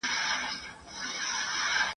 په هوا کي ماڼۍ نه جوړېږي ..